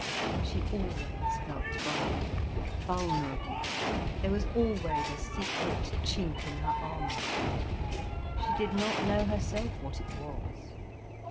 She always felt vulnerable, vulnerable, there was always a secret chink in her armour. She did not know herself what it was.